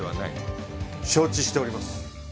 承知しております。